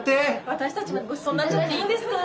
私たちまでごちそうになっちゃっていいんですか？